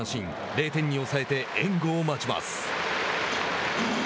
０点に抑えて援護を待ちます。